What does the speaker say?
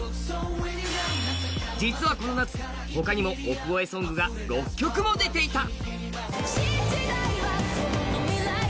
実はこの夏、他にも億超えソングが６曲も出ていた。